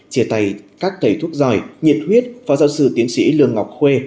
chia tay các thầy thuốc giỏi nhiệt huyết phó giáo sư tiến sĩ lương ngọc khuê